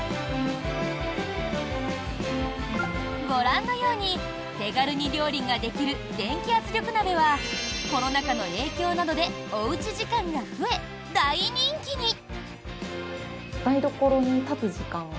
ご覧のように手軽に料理ができる電気圧力鍋はコロナ禍の影響などでおうち時間が増え、大人気に。